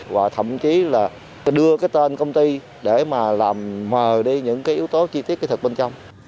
và thậm chí là đưa cái tên công ty để mà làm mờ đi những cái yếu tố chi tiết kỹ thực bên trong